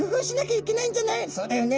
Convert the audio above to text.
「そうだよね。